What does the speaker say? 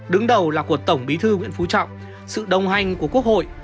đứng đầu là cuộc tổng bí thư nguyễn phú trọng sự đồng hành của quốc hội